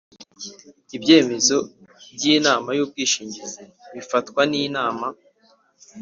Ibyemezo by‘Inama y’ubwishingizi bifatwa niNama